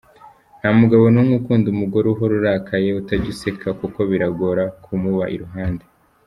Nta mugabo n’umwe ukunda umugore uhora urakaye, utajya useka, kuko biragora kumuba iruhande.